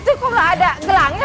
itu kok nggak ada gelangnya